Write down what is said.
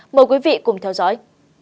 mời quý vị cùng theo dõi